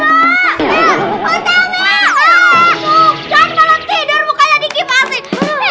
utami jangan malah tidur mukanya dikipasin